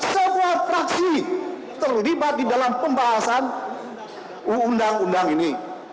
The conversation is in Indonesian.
semua fraksi terlibat di dalam pembahasan undang undang ini